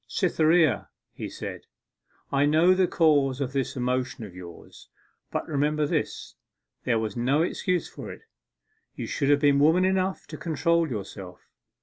'Cytherea,' he said, 'I know the cause of this emotion of yours. But remember this, there was no excuse for it. You should have been woman enough to control yourself.